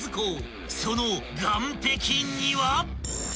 ［その岸壁には］